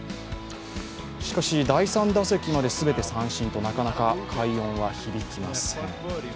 しかし、第３打席まで全て三振と、なかなか快音は響きません。